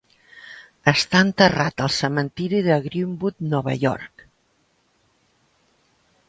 Està enterrat al cementiri de Greenwood, Nova York.